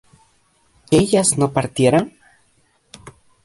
¿que ellas no partieran?